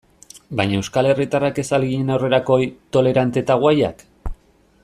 Baina euskal herritarrak ez al ginen aurrerakoi, tolerante eta guayak?